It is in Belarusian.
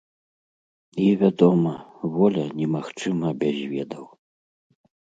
І, вядома, воля немагчыма без ведаў.